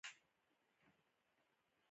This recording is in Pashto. حرکت وکړئ